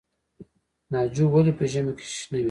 ناجو ولې په ژمي کې شنه وي؟